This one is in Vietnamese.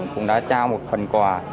cũng đã trao một phần quà